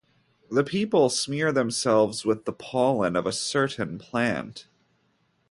The people smear themselves with the pollen of a certain plant.